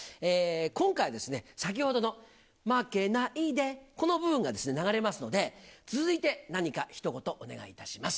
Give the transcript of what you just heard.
今回ですね、先ほどの負けないで、この部分が流れますので、続いて何かひと言お願いいたします。